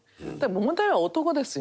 問題は男ですよ。